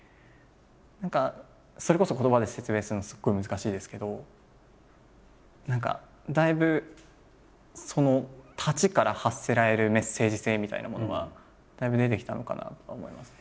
何かそれこそ言葉で説明するのすごい難しいですけどだいぶその立ちから発せられるメッセージ性みたいなものはだいぶ出てきたのかなと思いますね。